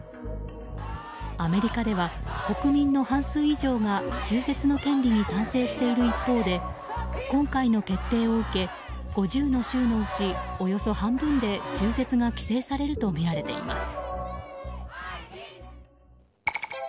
アメリカでは国民の半数以上が中絶の権利に賛成している一方で今回の決定を受け５０の州のうち、およそ半分で中絶が規制されるとみられています。